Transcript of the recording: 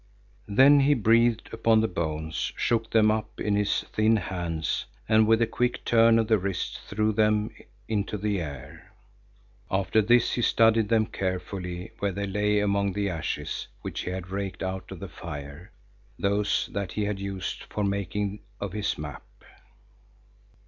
Then he breathed upon the bones, shook them up in his thin hands and with a quick turn of the wrist, threw them into the air. After this he studied them carefully, where they lay among the ashes which he had raked out of the fire, those that he had used for the making of his map.